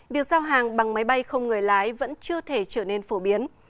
việc giao hàng bằng máy bay không người lái vẫn chưa thể trở nên phổ biến